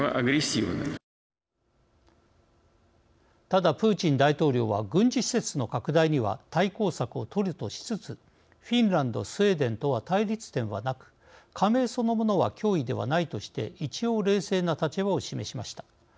ただプーチン大統領は軍事施設の拡大には対抗策を取るとしつつフィンランドスウェーデンとは対立点はなく加盟そのものは脅威ではないとして一応冷静な立場を示しました。